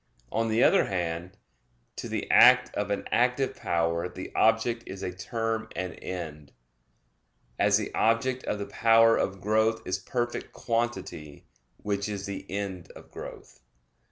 On the other hand, to the act of an active power the object is a term and end; as the object of the power of growth is perfect quantity, which is the end of growth.